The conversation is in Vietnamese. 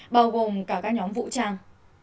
bao gồm cả các nhóm vũ trang